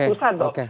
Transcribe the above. habis ratusan tuh